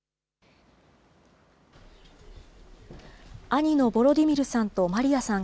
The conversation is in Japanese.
兄のボロディミルさんとマリアさん